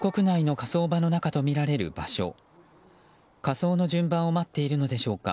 火葬の順番を待っているのでしょうか。